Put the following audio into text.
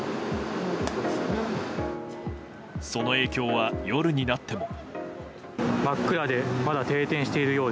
その影響は夜になっても。